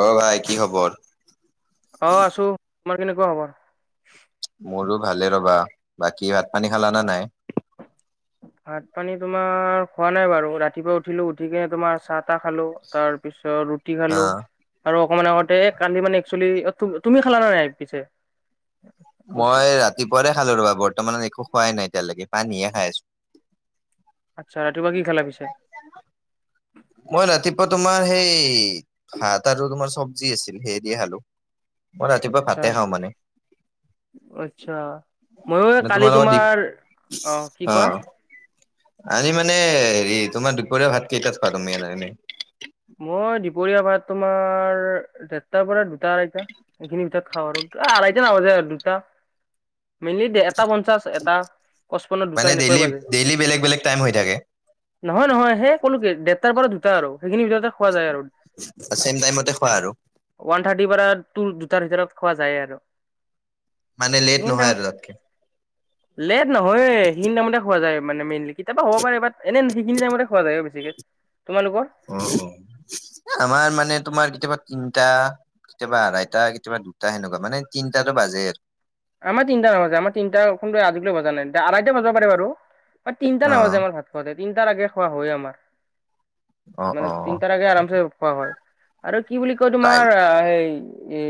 অ ভাই কি খবৰ? অহ আছো, তোমাৰ কেনেকুৱা খবৰ? মোৰো ভালে ৰ'বা, বাকী ভাত পানী খালা নে নাই? ভাত-পানী তোমাৰ খোৱা নাই বাৰু, ৰাতিপুৱা উঠিলো উঠি কিনে তোমাৰ চাত আ খালো, তাৰ পিছত ৰুটি খালো, অ' আৰু অকমান আগতে কালি মানে একচেলি তুমি খালা নে নাই পিছে? উঠি মই ৰাতিপুৱাই খালো ৰবা, বৰ্তমান একো খোৱাই নাই এতিয়ালৈকে পানীয়ে খাই আছো। আচ্ছা, ৰাতিপুৱা কি খালা পিছে? মই ৰাতিপুৱা তোমাৰ সেই ভাত আৰু তোমাৰ চব্জি আছিল সেই দি খালো। মই ৰাতিপুৱা আচ্ছা ভাতে খাওঁ মানে। আচ্ছা, ময়ো এই মানে কালি লগত দি তোমাৰ অ কি কোৱা আনি মানে হেৰি তোমাৰ দুপৰীয়া ভাত কেইটাত খোৱা তুমি? মই দুপৰীয়া ভাত তোমাৰ দেৰটাৰ পৰা দুটা, আঢ়টা এইখিনি ভিতৰত খাওঁ আৰু। আঢ়ৈটা নাবাজে আৰু দুটা [inaudible] মিলি দে এটা পঞ্চাছ, এটা, পঁচপন্ন দুটা মানে এনেকৈ ডেইলি, বাজে ডেইলি বেলেগ বেলেগ টাইম হৈ থাকে? নহয় নহয় সেই কলো কি, দেৰটাৰ পৰা দুটা আৰু। সেইখিনিৰ ভিতৰতে খোৱা যায় আৰু, চেম টাইমতে খোৱা আৰু ওৱান থাৰ্টিৰ পৰা তোৰ, দুটাৰ ভিতৰত খোৱা যায় আৰু। মানে লেট নহয় আৰু তাতকে। লেট নহয়ে সৈখিনিটামতে খোৱা যায়। মানে মেইনলি কেতিয়াবা হ'ব পাৰে, বাট এনে সৈখিনি টাইমতে এ খোৱা যায় বেছিকে। তোমালোকৰ? উম, আমাৰ মানে তোমাৰ কেতিয়াবা তিনিটা কেতিয়াবা আঢ়াইটা, কেতিয়াবা দুটা, সেনেকুৱা মানে তিনিটাতো বাজে আৰু। আমাৰ তিনিটা নাবজে, আমাৰ তিনিটা কোনটো আজিলৈ বজা নাই আঢ়টা বজাব পাৰে বাৰু। হয় তিনিটা নাবাজে আমাৰ ভাত খোৱাতে, তিনটাাৰ লাগে খোৱা হয়ে আমাৰ। অ মানে অ অ তিনটাৰ আগে আৰামছে খোৱা হয়, আৰু কি বুলি কয় টাইম তোমাৰ সেই এ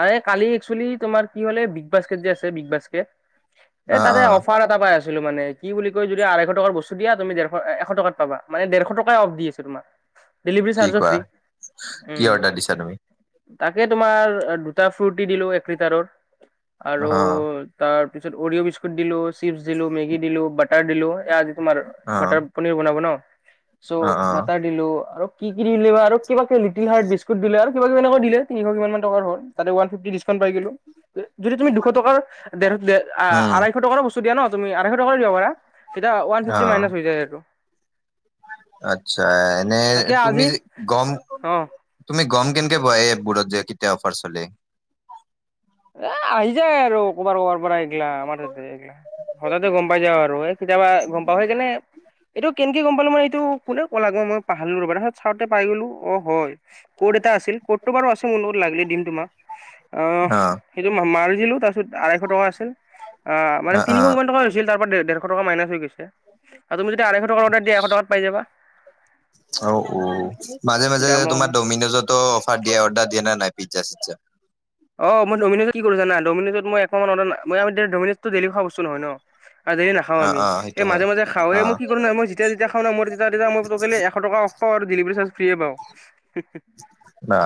আ কালি একচেলি তোমাৰ কি হ'লে বিগ বাস্কেট যে আছে বিগ বাস্কেট এই অ তাতে অ অফাৰ এটা পাই আছে ছিলো মানে, কি বুলি কয় যদি আঢ়ৈ শ টকাৰ বস্তু দিয়া দেৰশ, এশ টকাত পাবা, মানে দেৰ শ টকায়ে অফ দি আছো তোমাক। ডেলিৰ্ভী কি চাৰ্জ ও কোৱা ফ্ৰী, কি উম অৰ্ডাৰ দিছা তুমি তাকে, তোমাৰ দুটা ফুৰ্তি দিলো এক লিটাৰৰ অ আৰু অ তাৰ, তাৰ পিছত অৰিঅ' বিস্কট দিলো, চিপছ দিলো, মেগি দিলো, বাটাৰ দিলো। তোমাৰ বাটাৰ অ পনীৰ বনাব ন, চ' অ বাটাৰ দিলো আৰু কি কি দিলে বা আৰু [unintelligible] কিবাক লিটিলহাৰ্ত বিস্কুট দিলো আৰু [unintelligible] কিবাকিবি এনেক দিলে, তিনিশ কিমান মান টকাৰ হ'ল ততে উৱানফিভটি ডিছকাউণ্ পাই গলো। যদি তুমি দুশ টকাৰ দেৰ দেৰ উম আঢ়ৈশ টকাৰো বস্তু দিয়া ন, তুমি আঢ়ৈশ টকাৰো দিব পাৰা। তেতিয়া ওৱান ফিফটি মাইনাচ হৈ যায় সেইটো। খচ্ছা এনে তাকে তুমি আজি গম, অ তুমি গম কেনকে পোৱা এপ বোৰত যে কেতিয়া অফাৰ চলে? এ আহি যায় আৰু কবাৰ কবাৰ পৰা এইগ্লা আমাৰ টাতে এই গ্লা, হঠাৎ য়ে গম পাই যাও আৰু এই কেতিয়াবা গম পাও আৰু হেইকানে এইটো কেনেকে গম পালো মানে এইটো কোনে কল আগ মই পাহালো ৰ তাৰপিছতাওঁতে পাই গলো অ হয়। ক'ত এটা আছিল ক'তটো বাৰু আছো মোৰ লগত লাগিলে দিন তোমাক আহ অ সেইটো মাৰ দিলো তাৰপিছত আঢাইশ টকা আছিল অ মানে তিনিশ কিমান টকা হৈছিল। তাৰ পৰা দেৰশ টকা মাইনাচ হৈ গৈছে আৰু তুমি যদি আড়ৈশ টকাৰা এশ টকাত পাই যাবা। [unintelligible] অ অ মাজে মাজে দাম তোমাৰ ডমিন'জতো অফাৰ দিয়ে অৰ্ডাৰ দিয়ে নে নাই। পিজ্জা চিজ্জা অ মই দমিনজ কি কৰো জানা দমিনজ মই এশ মই দমিনজ টো ডেইলী খোৱা বস্তু নহয় ন। আৰু দেৰি নাখাওঁ অ আমি অ সেইটো হয় মাজে মাজে খাও অ এই মই কি কৰো ন মই যেতি যেতিয়া খাওঁ ন মই তেতিয়াতিয়া মই টোটৈলী এশ টকা [unintelligible] ডেলিভাৰী চাৰ্জ ফ্ৰী পাওঁ। অ।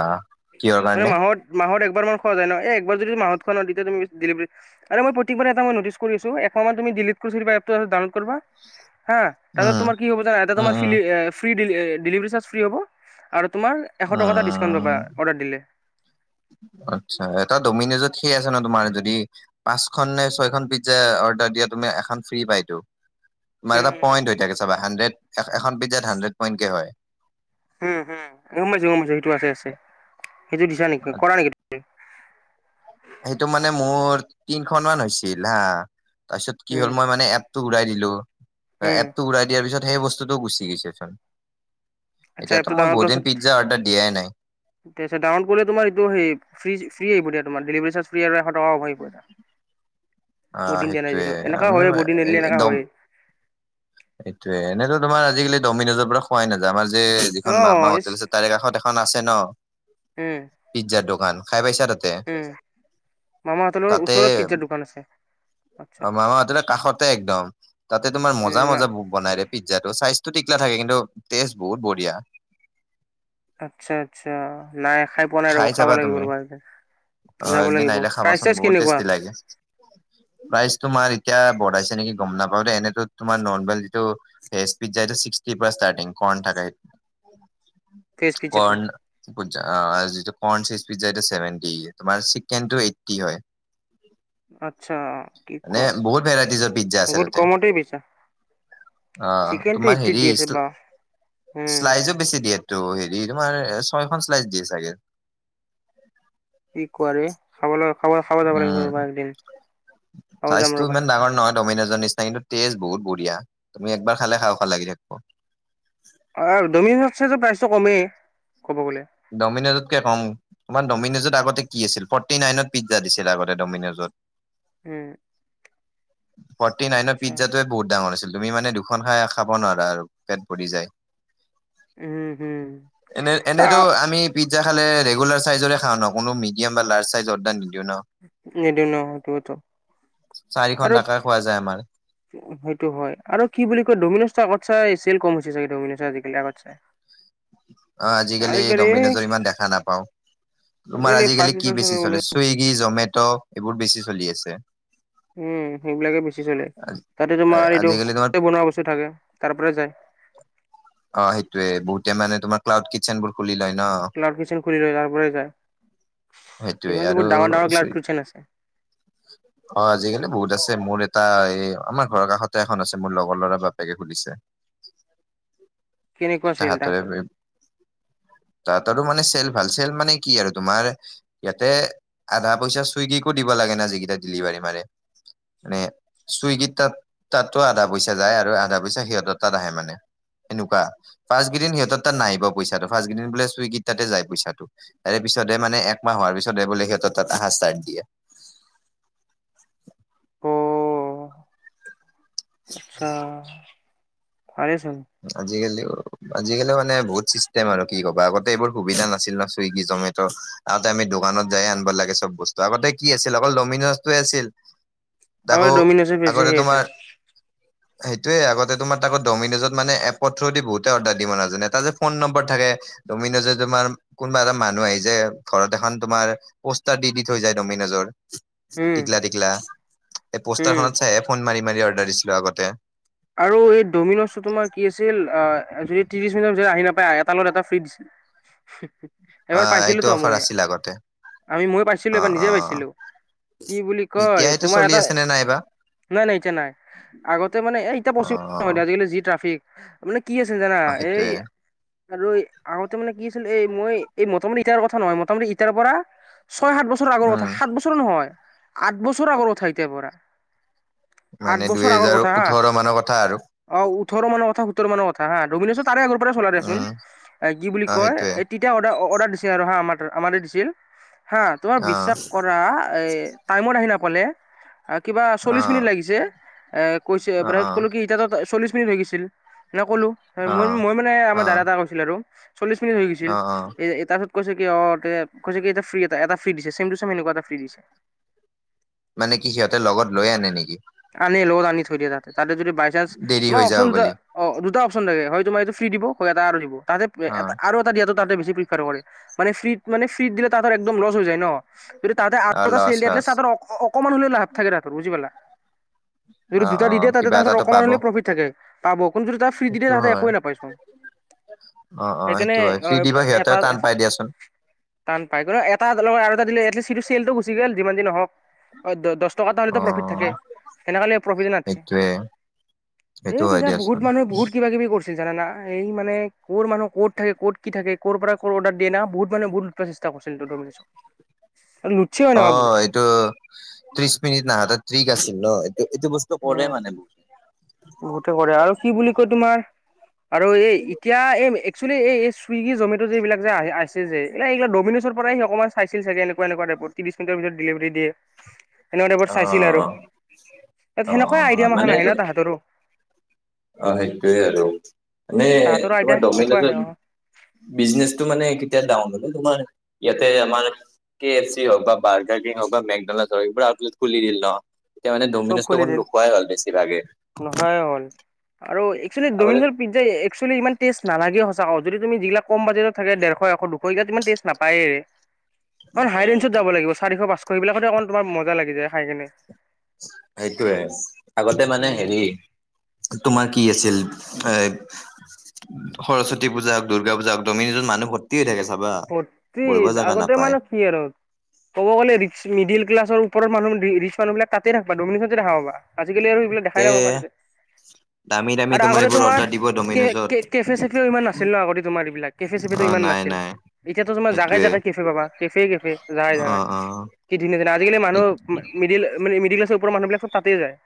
মানে মাহত মাহত এক খোৱা যায় ন এই একবাৰ যদি মাহত খোৱা ন তেতিয়া তুমি ডেলিভাৰী প্ৰতিবাৰে এটা মই নটিচ কৰিছো একমাহ মান কৃষিৰ এপটো ডাউনলোড কৰিবা। হা তাৰপছত উম তোমাৰ কি হ'ব জানা উম তোমাৰ উম ডেলিভাৰ চাৰ্জ ফ্ৰী হব আৰু তোমাৰ এশ টকা এটা ডিছকাউণ্ট উম, পাবা অৰ্ডাৰ দিলে। আচ্ছা এটা ডমিনজত সেই আছে ন তোমাৰ যদি পাঁচখন নে ছয়খন পিজ্জা। দিয়া তুমি এখন ফ্ৰী পাইতো। তোমাৰ উম এটা পইণ্ট হৈ থাকে চাবা হানড্ৰেড এখন পইণ্ট হানড্ৰেড পইণ্টকে হয়। উম হম গম পাইছো গম পাইছো সেইটো আছে আছে সেইটো দিছা নেকি কৰা নেকি। সেইটো মানে মোৰ তিনখনমান হৈছিল হা তাৰপিছত কি উম হ'ল মই মানে এপ টো উৰাই দিলো উম এপ টো উৰাই দিয়াৰ পিছত। সেই বস্তুতটো গুচি গৈছে চোন এতিয়াাতো মই বহুদিন পিজ্জা অৰ্ডাৰ দিয়াই নাই। তাৰ পাছত ডাউনডলে তোমাৰ এইটো স ফ ফ্ৰী আহিব দিয়া ডেলিভাৰী চাৰ্জ ফ্ৰী আৰু এশ টকা কৰিব এটা। অ' বদিন দিয়া নাই সেইটোয়ে যিটো এনেকা আমি হয়েই বদিন নিদিলে এনেকুৱা দম হয়। পোৱাই নাযায় আমাৰ যে যিখন অ মামা ইচ হোটেল আছে তাৰে কাষত এখন আছে ন উম পিজ্জা দোক [unintelligible] খাই পাইছ। উম মামাহঁতৰ লগত ওচৰত পিজ্জা দোকান আছে। আচ্ছা অ মামাহতৰ কাষতে একদম তাতে তোমাৰ মজা উম, না মজা বনাই দে পিজ্জাটো চাইজ টো টিকলা থাকে কিন্তু টেজ বহুত বঢ়িয়া। [unintelligible] আচ্ছা আচ্ছা নাই খাই পোৱা নাই ৰ'ব খাব চাবা লাগিব তুমি ৰব এ। [unintelligible] অ এদিন আহিলে খাবাচোন বহুত টেষ্টি লাগে প্ৰাইজটো তোমাৰ এতিয়া বঢ়াইছে। নেকি গম নাপাও দে এনেটো তোমাৰ নৰ্মেল যিটো পিজ্জা এইটো ছিক্সটিৰ পৰা ষ্টাৰ্টিং কন থাকে। ভেজ পিজ্জাটো কৰণ পিজ্জা অঁ [unintelligible] কৰ্ণ চিজ পিজ্জা এইটো চেভেনটি তোমাৰ চিকেন টো এইটটি হয়। আচ্ছা কি মানে কোৱা বহুত ভেৰাইটিজৰ পিজ্জা আছে বহুত তাতে। কমতেই বেচা অ চিকেনটো তোমাৰ এইট্টিত হেৰি দি আছে বা উম, শ্লাইজো বেছি দিয়ে। ত' হেৰি তোমাৰ ছয়খন শ্লাইচ দিয়ে চাগে। কি কৰে খাবলৈ খাব খাব যাব লাগিব উম, ৰ'বা একদিন খাব যাম চাইজটো ৰ'বা ইমান ডাঙৰ নহয় ডমিনজৰ নিচিনা কিন্তু তেজ বহুত বঢ়িয়া, তুমি এবাৰ খালে খাও খাও লাগি থাকিব। অ ডমিনজ প্ৰাইচটো কমেই। ক'ব গ'লে ডমিন'জতকে কম, ইমান ডমিন'জত আগতে কি আছিল ফৰ্টি নাইনত পিজ্জা দিছিল আগতে ডমিন'জত। উম। ফৰ্টি নাইনৰ আচ্ছা পিজ্জাটোৱে বহুত ডাঙৰ হৈছিল, তুমি মানে দুখন খাই খাব নোৱাৰা আৰু পেট ভৰি যায়। উম হুম। আ ত আমি পিজ্জা খালে ৰেগুলাৰ চাইজৰে খাওঁ ন কোনো মিডিয়াম বা লাৰ্জ চাইজৰ অৰ্ডাৰ নি এইটো ন সেইটোত চাৰিখন আৰু থাকা খোৱা যায় আমাৰ সেইটো হয় আৰু কি বুলি কয় ডমিনজটো আগত চাই চেল কম হৈছে চাগে ডমিনজত আজি কালি আগতছে। অ আজিকালি ডমিনোজৰ ইমান দেখা নাপাওঁ। তোমাৰ আজিকালি কি বেছি চলে চুইগি, জমেট' এইবোৰ বেছি চলি আছে। উম সেইবিলাকে বেছি চলে। তাতে তোমাৰ এইটো আজিকালি তোমাৰ কোৱা বনোৱা বস্তু থাকে তাৰ পৰা যায়। অ সেইটোৱে বহুতে মানে তোমাৰ ক্লাউড কিটচেন বোৰ খুলি লয়। ন। ক্লাউড কিচন খুলি লয় তাৰপৰা যায়। সেইটোয়ে সেইফালে আৰু বহুত ডাঙৰ ডাঙৰ চুই ক্লাউড কিটচেন আছে। আজিকালি বহুত আছে মোৰ। এটা এই আমাৰ ঘৰৰ কাষতে এখন আছে মোৰ লগৰ ল'ৰা বাপেকে খুলিছে। [unintelligible] কেনেকুৱা চেল তাহতৰে তাহাঁতৰ তাহতৰো মানে চেল ভাল চেল মানে কি আৰু তোমাৰ ইয়াতে আধা পইচা চুইগিকো দিব লাগে না যিকেইটা ডেলিভাৰী। মানে। মানে চুইগিত তাত তাতো আধা পইচা যায় আৰু আধা পইচা সিহঁতৰ তাত আহে মানে। এনোকুৱা। ফাৰ্ষ্ট কেইদিন সিহঁতৰ তাত নাহিব পইছাটো ফাৰ্ষ্ট কেইদিন বোলে ছুইগিত তাতে যায় পইচাটো, তাৰে পিছতে এক মাহ হোৱাৰ পিছত এইবোলে সিহঁতৰ তাত আহজ চাই দিয়ে। অ আচ্ছা। ভালেই চোন আজিকালি আজিকালি মানে বহুত চিষ্টেম আৰু কি কবা আগতে এইবোৰ সুবিধা নাছিল ন চুইগি, জমেট' আগতে আমি দোকানত যায় আ লাগে চব বস্তু আগতে কি আছিল অকল ডমিন'জটোৱে আছিল। তাকো আগতে ডমিন'জে বেছি আগতে সেই তোমাৰ, আছিল সেইটোয়ে আগতে তোমাৰ তাকো ডমিনজত মানে এপত থ্ৰু দি বহুতে অৰ্ডাৰ দিব নাজানে, তাত যে ফোন নম্বৰ থাকে ডমিন'জে তোমাৰ কোনবা এটা মা মানুহ আহি যে ঘৰত এখন তোমাৰ পোষ্টাৰ দি দি থৈ যায় ডমিনজৰ। উম টিকলা টিকলা, এই উম পোষ্টাৰখনত চাইহে ফোন মাৰি মাৰি অৰ্ডাৰ দিছিলোঁ আগতে। আৰু এই ডমিন'জটো তোমাৰ কি আছিল আ যদি ত্ৰিছ মিনিটৰ আহি নাপায় এটাৰ লগত এটা ফ্ৰী দিছিল। অ এবাৰ পাইছিলোঁ সেইটো ত অফাৰ মই, আছিল আগতে আমি মই পাইছিলোঁ অ এবাৰ অ নিজে পাইছিলোঁ। কি বুলি কয় এতিয়া সেইটো তোমাৰ চলি এটা, আছে নে নাইবা নাই নাই এতিয়া নাই আগতে মানে এই এটা অ বস্তু নহয় আজিকালি যি ট্রাফিক মানে কি আছিল জানা অ এই সেইটোয়ে আৰু আগতে মানে কি আছিল এই মই এই মোটামুটি ইতিয়া কথা নহয় মোটামুটি ইতিয়াৰ পৰা ছয়- সাত বছৰৰ আগৰ কথা উম সাত বছৰ নহয় আঠ বছৰৰ আগৰ কথা এতিয়া পৰা। আঠ বছৰ আগৰ কথা হা। অ মানৰ কথা আৰু। অ ওঠৰ কথা সোতৰ মানৰ কথা হা ডমিনজত তাৰে আগৰ চলাই দিয়াচোন, উম কি বুলি অ কয় সেইটোয়ে এ তেতিয়া অডাৰ অডাৰ পিছে আৰু হা আমাৰ তাত দিছিল হা তুমি অ বিশ্বাস কৰা এই টাইমত আহি না কলে আ কিবা অ চল্লিশ মিনিট লাগিছে কৈছে অ অ তাৰ পিছত এতিয়া ত চল্লিশ লাগিছিল মই কলো অ ম মই মানে অ আমাৰ দাদা এটা কৈছিল আৰু। চল্লিশ মিনিট হৈ গৈছিল, অ অ এ তাৰপিছত কৈছে কি অ কৈছে কি এ ফ্ৰী এটা এটা ফ্ৰী দিছে চেম টু চেম এনেকুৱা এটা ফ্ৰী দিছে। মানে কি সিহঁতে লগত লৈ আনে নেকি? আনে লগত আনি থৈ দিয়ে তাতে তাতে যদি বাই চান্ দেৰি তোমাৰ হৈ যাব অপশচন দু বুলি অ দুটা অপশচন। হয় তোমাৰ এইটো ফ্ৰি দিব হয় আৰু দিব তাহতে অ আৰু এটা দিয়া বেছি [unintelligible] মানে ফ্ৰী মানে ফ্ৰী দিলে তাঁহতৰ একদম লছ হৈ যায় ন। যদি তাহতে অ আত্ম লছ লছ [unintelligible] অকমান হলে লাভ নাথাকে বুজি পালা। যদি অ দুটা অ দি দিয়ে তাতে কিবা তাহাঁত এটাতো অকণমান পাব হলে প্ৰফিট থাকে পাব কিন্তু যদি তাৰ ফ্ৰী দি দিয়ে সেইটো তাঁতে হয় একোৱে নাপায়চোন। [inaudible] অ অ সেইকাৰণে সেইটো হয় ফ্ৰী দিব অ এটা সিহঁতেও টান পাই দিয়াচোন টান পায় কিন্তু এটা লগত আৰু। এটা দিলে এটলিছ চেলটো গুচি গেল যিমান যি নহওঁক অ দ দ দছ টকাটা অ এটা প্ৰফিট থাকে। সেনেকে হলে প্ৰফিত এ নাথাকে সেইটোয়ে সেইটো এই হয় তেতিয়া বহুত দিয়াচোন মানুহে বহুত কিবা কিবি কৰছ জানা না এই মানে কৰ মানুহ ক'ত থাকে ক'ত কি থাকে ক' পৰা' অৰ্ডাৰ দিয়ে না বহুত মানুহ বহুত চেষ্টা [unintelligible] লুটছেও অ এনেকা বহুতে এইটো ত্ৰিশ মিনিট ন হাতত ত্ৰিক আছিল ন। এইটো এইটো বস্তু পৰে উম মানে বহুতে কৰে আৰু কি বুলি কয় তোমাৰ আৰু এই এতিয়া এই একচুৱেল এই ছুইগী জমেত' য এইিবিলাক যে আহছে যে এইিলাক ডমিন'ছৰ পৰা স অকমান চাইছিল চাগে এনেকুৱা এনেকুৱা টাইপ। ত্ৰিশ মিনিৰ পিছত ডিলিভাৰী দিয়ে, সেনেকুৱা টাইবোৰ অ চাইছিল আৰু। অ অ সেনেকুৱাই আইডিয়া মান মাখান আহে তো ন তাহাঁতৰো অ সেইটোৱে আৰু নে তাহাঁতৰো তোমাৰ আইডিয়া সেনেকুৱা ডমিনোজৰ আহে অ বিজনেচটো মানে কেতিয়া ডাউন হলে তোমাৰ ইয়াতে আমাৰ কে এফ চি হও বা বাৰ্ কিং হক বা মেকডনাল্ড হক এইবোৰ আউ খুলি দিল ন। ডমিনোজটো অকন নোখোৱাই হল বেছি ভাগ। নহয় হ'ল। আৰু একচুৱেলি আগতে ডমিন পি্জ এক্চুৱেলি ইমান টেষ্ট নালাগে সঁচা ক যদি তুমি যিগিলাক কম বাজেটত থাকে ডেৰশ এশ দুশ এইকেইটাত ইমান তেজষ্ট নাপায়ে। অণ হাই ৰেঞ্জত যাব লাগিব চাৰিশ পাঁচশ সেইবিলাক অকন তোমাৰ মজা লাগি যায় খাই কিনে। সেইটোৱে আগতে মানে উম হেৰি তোমাৰ কি আছিল। এ সৰস্বতী পূজা হওক দূৰ্গা পূজা হক ডমিনোজত মানুহ ভৰ্তি হৈ থাকে চাব ভৰ্টি আগতে মানে কি আৰু ক'ব গ'লে মিডিল ক্লাছৰ ওপৰত মানুহ ৰিচ মানুহিলাকাতে ৰাখবা ডমিনিশনতে দেখা পাবা আজিকালি আৰু এইবিলাক তে দেখাই নাপাবা তাতে। দামী দামী আৰু আগতে এইবোৰ তোমাৰ অৰ্ডাৰ দিব কে ডমিনজত কেফে চেফেও ইমান নাছিল ন আগতে তোমাৰ এইবিলাক কেফে চেফ অ নাই নাই। এতিয়াতো তোমাৰ জাগাই সেইটোৱে জাগাই কেফে পাবা কেফে কেফে জাগাই অ জাগাই। অ কি ধুনীয়া যেন আজিকাল মানুহ মিডিল মডিল ক্লাৰ ওপ্ৰৰ মানু্হবিলাক চব তাতেই যায়।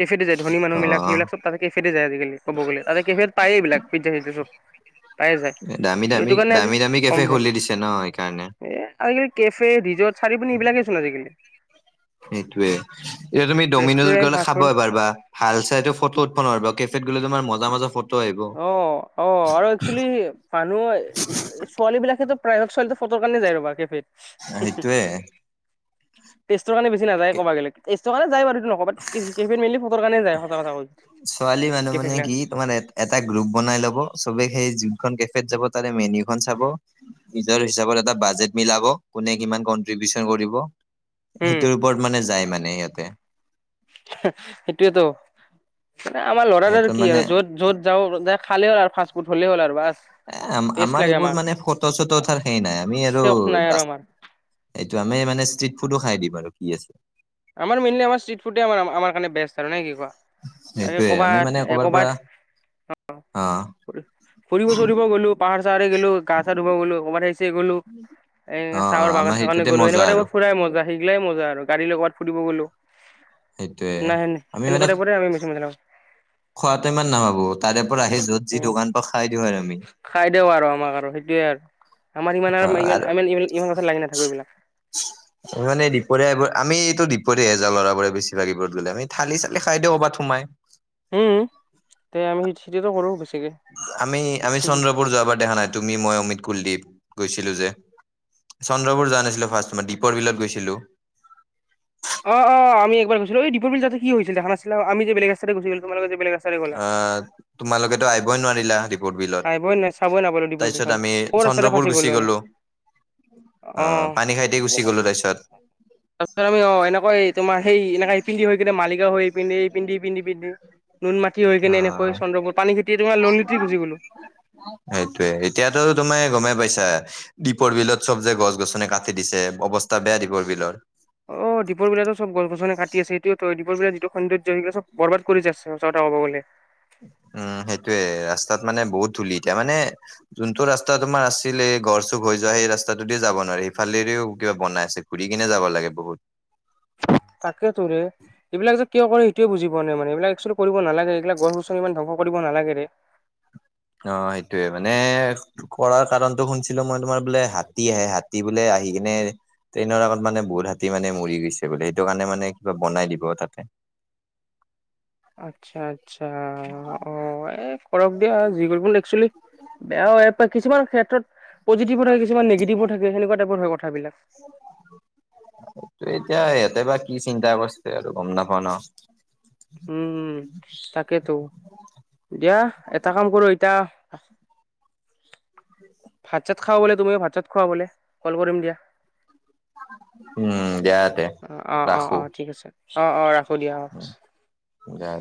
কেফেতে যায় ধনী অ মানুহবিলাক সেইবিলাকব তাতে কেফেতে যায় অজি কালি ক'ব গলে তাতে কেফে পায়েই এইবিলাক পিজা চিজা চব। পায়ে যায়। দামী চ' এইটো দামী কাৰণে আজি দামী দামী কম কেফে যায় খুলি দিছে ন সেইকাৰণে। এ আজিকালি কেফে ৰিজৰ্ট চাৰিপিনী এইবিলাকেই চোন আজিকালি। সেইটোয়ে এতিয়া তুমি ডমিন'জত ৰেষ্টুৰেণ্ট গ'লে ফাষ্ট খাব ফুড পাৰবা ভাল চাইটো ফটো উঠব নোৱাৰিবা কেফেত গলেটো মজা মজা ফট- অ অ আৰু একচুৱেলি মানুহ ছোৱালী বিলাকেতো প্ৰায়ত ছোৱালী ফটো কাৰণে যাই ৰবা কেফেত। সেইটোৱে। তেষ্টতৰ কাৰণে বেছি নাযায় ক'ব গ'লেক তেস্তৰ কাৰণে যাই বাৰুটো নকওঁ বাট কেফিতমালি ফটো কাৰণে যায় সঁচা কথা ক'লে। ছোৱালী মানুহ মানে কি তোমাৰ এট এট এটা গ্ৰুপ বনাই লব চবে সেই য কেফ যাব তাৰে মেনউ খন চাব। নিজৰ হিচাপত এটা বাজেট মিলাব কোনে কিমান কনট্ৰিবউচন কৰিব। উম, সেইটোৰ ওপৰত মানে যায় মানে সিহঁতে। সেইটোৱেতো মানে আমাৰ ল'ৰাৰ আৰু সিহঁতৰ কি মানে আৰু য'ত য'ত যাওঁ তাতে- খালে হল আৰু ফাষ্টফুড হলেই হল আৰু বাষ্ট। এ আমাৰ এইবোৰ মানে ফটো চটো তাৰ সেই নাই আমি আৰু চখ নাই আৰু দাছ আমাৰ, এইটো আমি মানে ষ্ট্ৰিট ফুডো খাই দিম আৰু কি আছ। আমাৰ মেইনলি ষ্ট্ৰিট ফুডে আমাৰ কাৰে বেষ্ট আৰু নাই কি কোৱা। তাকে কবাত কবাত আহ ফুৰিব চুৰি গলো পাহাৰ চাহৰে গলো গা ধুব গলো ক'ৰবাত আহিছে গ'লো এ অ অ চাহৰ বাগ আমাৰ চাগান সেইটোতে গলো মজা আৰু সেকুৱাতে ফুৰাই মজা সেইগিলাই মজা গাড়ী লৈ কৰবাত ফুৰি গলোঁ। সেইটোয়ে নাই সেন আমি মানে সেনেকুৱা তাইপৰ আমি মছি মজা লাগছ খোৱাটো ইমান নাভাবোঁ তাৰে পৰা আহি য'ত যি উম দোকানটো খাই দিওঁ আৰু আমি। কে আৰু। আমাৰ ইমান অ ইমান আৰু আমি ইমান কথা লাগি নাথাকো এইবিলাক মানে দুপৰীয়া এইবোৰ আমি। ত দিপৰিয়াই এজা লৰাবোৰে বেছি ভাগিবত গলে আমি থালি চালি খাই দেওঁ কবাত সোমাই। উম তে আমি সিতিটো কৰো বে। আমি আমি চন্দ্ৰপুৰ যোৱাবাৰ দেখা নাই তুমি মই অমিত কুলদ্বীপ। গৈছিলো যে চন্দ্ৰবোৰ যোৱা নাছিলে ফ্ৰষ্ট তোমাৰ দীপৰ বিলত গৈছিলো। অ অ আমি এবাৰ গৈছিলো এই দীপ বিল যা কি হৈছিল দোখা নাছিলা আমি যে বেলেগস্তা ঘুৰি তোলোকে। অ তোমালোকেতো আহিবই নোৱাৰিলা। আহিবই চাবই বিলত নাপালো দীপৰ তাৰ পিছত বিলখন আমি ক'ৰ ৰাস্তাতে চন্দ্ৰপুৰ ফাঁচি গুচি আমি গলো। আহ পানী খাই দি গুচি অ গলো তাৰছত। তাৰপিছত আমি অ এনেকা এই তোমাৰ সেই এনে এই পিন্ধি হৈ কিনে মালিকা হৈ এইিধি এই পিন্ধি পিধি পিন্ধি। নুন মাটি হৈ অ কেনে এনেকৈ চন্দ্ৰপুৰ পানী খেতি তোম লিতি গুছি গলো। সেইটোয়ে এতিয়াতো তুমাৰ গমেই পাইছা। দীপৰ বিলত চব যে গছ গছনি কাটি দিছে অৱস্থা বেয়া দীপৰ বিলৰ। অ দীপ বিলাতো চব গছ গছনে কাটি আছে সটো ত দীপ বিলাৰ যিটো সৌন্দ্য সবিল চব বৰবাদ কৰি আছে সঁচা কথা কব গলে। উম। সেইটোয়ে ৰাস্তাত মানে বহুত ধূলি এতিয়া মানে যোনটো ৰাস্তা তোমাৰ আছিল এই গড় চুক হৈ যোৱা সেই। ৰাস্তাটো দ যাব নোৱাৰে সিফালেৰেও কিবা বনাই আছে ঘূৰি কিনে যাব লাগে বহুত। তাকে তোৰে। এইবিলাক যে কিয় কৰে সেইয়ে বুজ পোৱা নাই মানে এইবিল এক্ কৰিব নালাগে এইবিলাক গছ গছনি ইমান ধবংস কৰিব নালাগেৰে। অ সেইটোয়ে মানে কৰাৰ কাৰণ। শুছিলো মই তোমাৰ বোলে হাতী আহে হাতী বোলে আহি কিনে ট্ৰেইনৰ আগত মানে বহুত হাতী মানে মৰি। বোলে সেইটো কাৰণে মানে কিবা বনাই দিব তাতে। আচ্ছা আচ্ছা অ। কৰৰক দিয়া যি এক্সচলি বেয়া হয় কিছুমান ক্ষেত্ৰত। পজিটিভ হয় কিছোমান নিগেটিভু থাকে সনেকুৱা টইপৰ হয় কথাবিলাক। [inaudible] টো এতিয়া সিহঁতে বা কি চিন্তা কৰিছে আৰু গম নাপা ন। উমম তাকেতো। দিয়া এটা কাম কৰো এতিয়া। ভাত চাত খাব বলে তুমি ভাত চাত খোৱা বলে কল কৰিম দিয়া। উম দিয়া। ইয়াতে অ অ অ ৰাখো। অ ঠিক আছে অ অ ৰাখো দিয়া অ। উম দিয়া।